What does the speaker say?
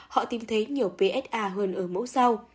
họ tìm thấy nhiều psa hơn ở mẫu sau